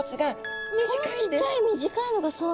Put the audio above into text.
このちっちゃい短いのがそうなんですね。